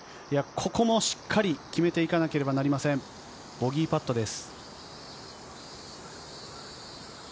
ここもしっかり決めていかなければなりません、ボギーパットです。